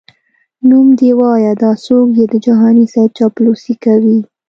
نوم دي وایه دا څوک یې د جهاني صیب چاپلوسي کوي؟🤧🧐